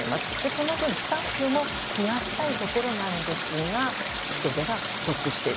その分、スタッフも増やしたいところなんですが人手が不足している。